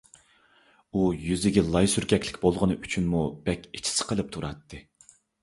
ئۇ يۈزىگە لاي سۈركەكلىك بولغىنى ئۈچۈنمۇ بەك ئىچى سىقىلىپ تۇراتتى.